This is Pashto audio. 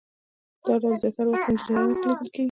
دا ډول زیاتره وخت په انجینرانو کې لیدل کیږي.